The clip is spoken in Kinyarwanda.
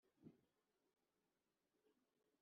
muyizihiza mute?